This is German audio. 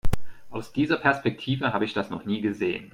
Aus dieser Perspektive habe ich das noch nie gesehen.